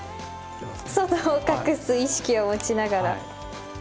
外を隠す意識を持ちながら。